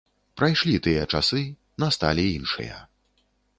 Прайшлі тыя часы, насталі іншыя.